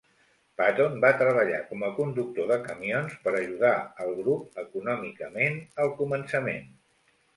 Paton va treballar com a conductor de camions per ajudar el grup econòmicament al començament.